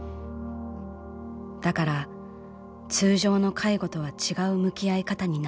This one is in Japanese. だから通常の介護とは違う向き合い方になった」。